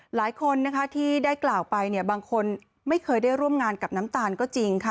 หลายคนนะคะที่ได้กล่าวไปเนี่ยบางคนไม่เคยได้ร่วมงานกับน้ำตาลก็จริงค่ะ